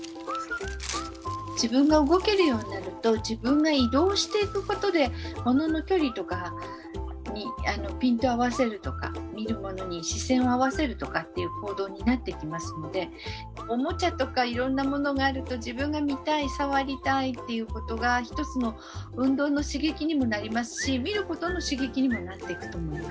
自分が動けるようになると自分が移動していくことでものの距離とかにピントを合わせるとか見るものに視線を合わせるとかっていう行動になってきますのでおもちゃとかいろんなものがあると自分が見たい触りたいということが一つの運動の刺激にもなりますし見ることの刺激にもなっていくと思います。